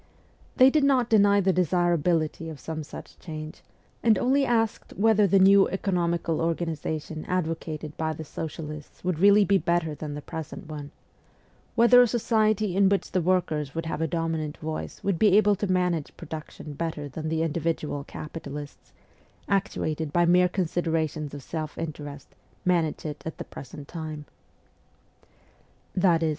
They did not deny the desirability of some such change, and only asked whether the new economical organization advocated by the socialists would really be better than the present one; whether a society in which the workers would have a dominant voice would be able to manage pro duction better than the individual capitalists, actuated FIRST JOURNEY ABROAD 77 by mere considerations of self interest, manage it at the present time. Besides, I began gradually to understand that revolutions, i.e.